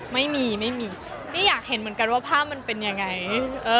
ไม่มีไม่มีนี่อยากเห็นเหมือนกันว่าภาพมันเป็นยังไง